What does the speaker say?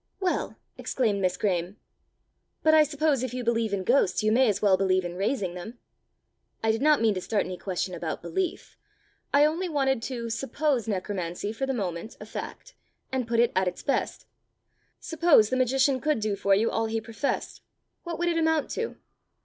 "Well!" exclaimed Miss Graeme; " but I suppose if you believe in ghosts, you may as well believe in raising them!" "I did not mean to start any question about belief; I only wanted to suppose necromancy for the moment a fact, and put it at its best: suppose the magician could do for you all he professed, what would it amount to?